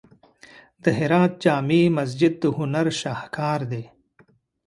د هرات جامع مسجد د هنر شاهکار دی.